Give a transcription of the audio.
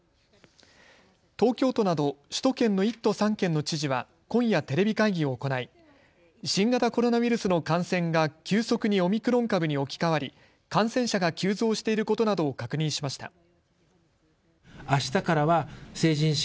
東京都など首都圏の１都３県の知事は今夜、テレビ会議を行い、新型コロナウイルスの感染が急速にオミクロン株に置き換わり、感染者が急増していることなどを確認しました。